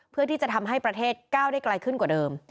เพื่อที่จะทำให้ประเทศก้าวได้ไกลขึ้นกว่าเดิม